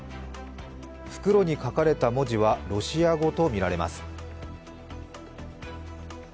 袋に書かれた文字はロシア語とみられます。